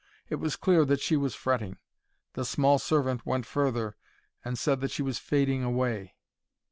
It was clear that she was fretting. The small servant went further, and said that she was fading away.